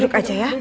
duduk aja ya